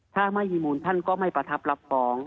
ถ้าไม่มีมูลท่านก็ไม่ประทับรับฟ้อง